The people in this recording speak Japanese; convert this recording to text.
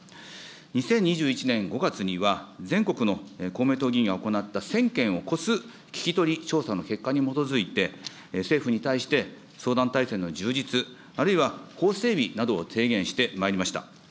２０２１年５月には、全国の公明党議員が行った１０００件を超す聞き取り調査の結果に基づいて、政府に対して相談体制の充実、あるいは法整備などを提言してまいりました。